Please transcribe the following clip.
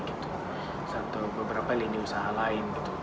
atau beberapa lini usaha lain